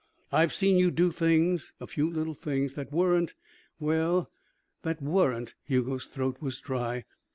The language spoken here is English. I've seen you do things, a few little things, that weren't well that weren't " Hugo's throat was dry.